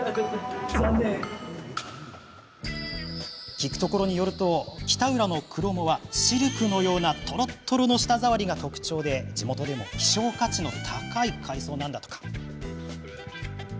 聞くところによると北浦のクロモはシルクのようなとろっとろの舌触りが特徴で地元でも希少価値の高い海藻なんだとか。